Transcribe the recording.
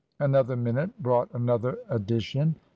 "Another minute brought another addition.